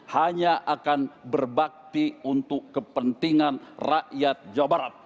hanya akan berbakti untuk kepentingan rakyat jawa barat